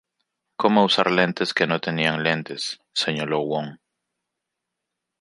Como usar lentes que no tenían lentes", señaló Wong.